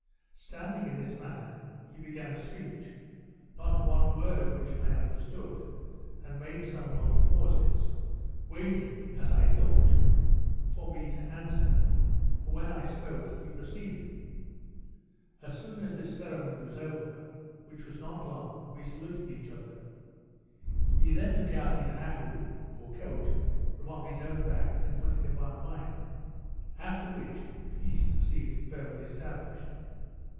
Standing in this manner, he began a speech, not one word of which I understood, and made some long pauses, waiting, as I thought, for me to answer; for, when I spoke, he proceeded. As soon as this ceremony was over, which was not long, we saluted each other. He then took his hahou, or coat, from off his own back, and put it upon mine; after which peace seemed firmly established.